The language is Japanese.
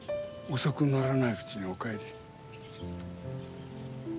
遅くならないうちにお帰り。